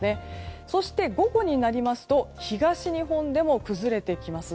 そして午後になりますと東日本でも崩れてきます。